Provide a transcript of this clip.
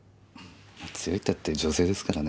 強いったって女性ですからね。